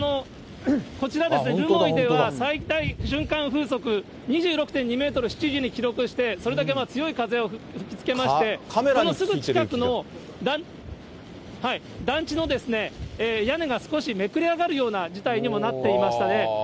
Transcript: こちら、留萌では最大瞬間風速２６．２メートル、７時に記録して、それだけ強い風を吹きつけまして、このすぐ近くの団地の屋根が少しめくれ上がるような事態にもなっていましたね。